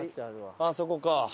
あそこか。